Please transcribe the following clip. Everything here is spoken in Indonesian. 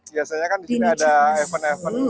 biasanya kan di sini ada event event